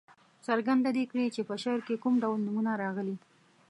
څرګنده دې کړي چې په شعر کې کوم ډول نومونه راغلي.